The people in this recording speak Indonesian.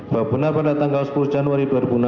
bahwa benar pada tanggal sepuluh januari dua ribu enam belas